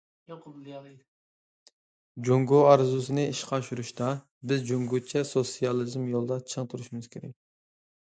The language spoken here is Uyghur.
جۇڭگو ئارزۇسىنى ئىشقا ئاشۇرۇشتا، بىز جۇڭگوچە سوتسىيالىزم يولىدا چىڭ تۇرۇشىمىز كېرەك.